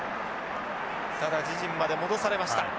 ただ自陣まで戻されました。